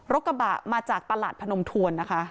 กระบะมาจากตลาดพนมทวนนะคะ